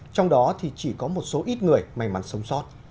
trong đó thì chỉ có một số ít người may mắn sống sót